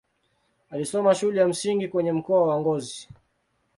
Alisoma shule ya msingi kwenye mkoa wa Ngozi.